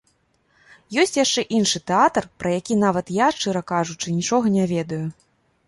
Ёсць яшчэ іншы тэатр, пра які нават я, шчыра кажучы, нічога не ведаю.